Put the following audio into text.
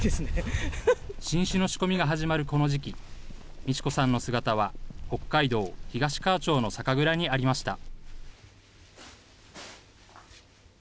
新酒の仕込みが始まるこの時期、美智子さんの姿は北海道東川町の酒蔵にありました。